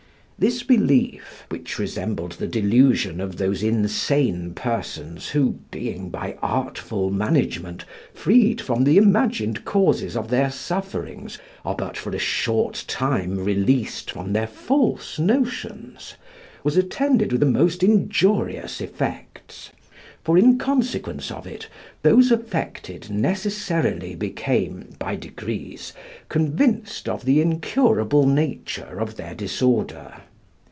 This belief, which resembled the delusion of those insane persons who, being by artful management freed from the imagined causes of their sufferings, are but for a short time released from their false notions, was attended with the most injurious effects: for in consequence of it those affected necessarily became by degrees convinced of the incurable nature of their disorder.